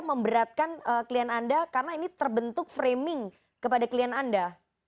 memberatkan klien anda karena ini terbentuk framing kepada klien anda